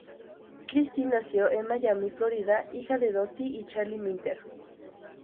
Kristin nació en Miami, Florida, hija de Dottie y Charlie Minter.